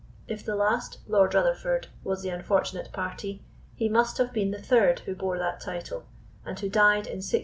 If the last Lord Rutherford was the unfortunate party, he must have been the third who bore that title, and who died in 1685.